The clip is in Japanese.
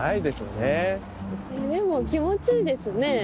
でも気持ちいいですね。